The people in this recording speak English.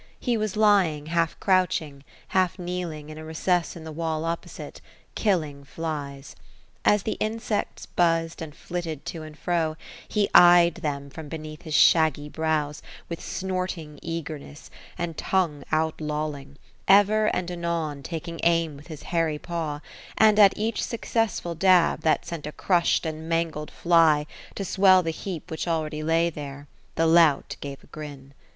He was lying half crouching, half kneeling, in a recess in the wall opposite, killing flies. As the in sects buxzed and flitted to and fro, he eyed them from beneath his shag gy brows, with snorting^ eagerness, and tongue out lolling ; ever and anon taking aim with his hairy paw, and at each successful dab that sent a crushed and mangled fly to swell the heap which already lay there, the lout gave a grin.